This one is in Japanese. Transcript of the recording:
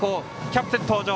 キャプテン登場。